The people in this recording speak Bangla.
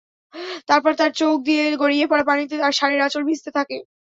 তারপর তাঁর চোখ দিয়ে গড়িয়ে পড়া পানিতে শাড়ির আঁচল ভিজতে থাকে।